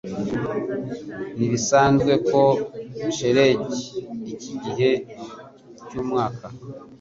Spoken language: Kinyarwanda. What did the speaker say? Ntibisanzwe ko shelegi iki gihe cyumwaka.